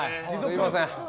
すみません。